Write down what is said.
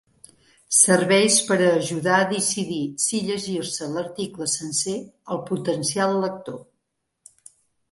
Serveis per a ajudar a decidir si llegir-se l'article sencer al potencial lector.